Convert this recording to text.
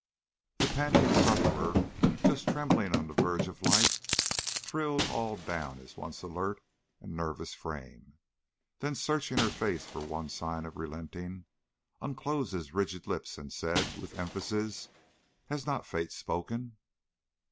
The panting sufferer just trembling on the verge of life thrilled all down his once alert and nervous frame, then searching her face for one sign of relenting, unclosed his rigid lips and said, with emphasis: "Has not Fate spoken?"